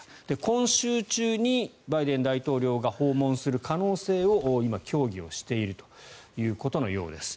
今週中にバイデン大統領が訪問する可能性を今、協議をしているということのようです。